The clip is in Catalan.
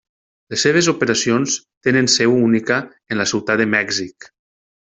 Les seves operacions tenen seu única en la Ciutat de Mèxic.